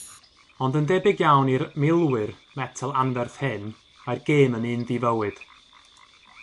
Ond yn debyg iawn i'r ‘milwyr' metel anferth hyn, mae'r gêm yn un ddifywyd.